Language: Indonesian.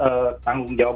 ya itu tanggung jawab